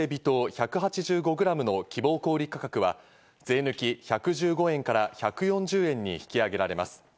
１８５グラムの希望小売価格は税抜き１１５円から１４０円に引き上げられます。